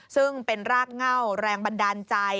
ซึ่งเป็นรากเง่าแรงบันดาลใจ